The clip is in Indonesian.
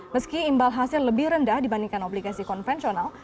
meski imbal hasil lebih rendah dibandingkan obligasi konvensional